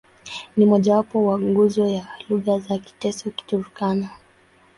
Ni mmojawapo wa nguzo ya lugha za Kiteso-Kiturkana.